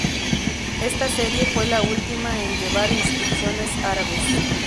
Esta serie fue la última en llevar inscripciones árabes.